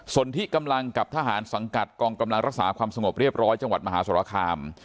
ส่วนที่กำลังกับทหารสังกัดกองกำลังรักษาความสงบเรียบร้อยจังหวัดมหาสรคาม